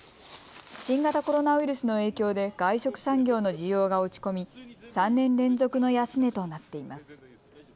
新型コロナウイルスの影響で外食産業の需要が落ち込み３年連続の安値となっています。